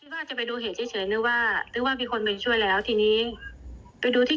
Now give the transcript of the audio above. ไม่มีนะคะก็เลยปั๊มช่วยน้องนะคะ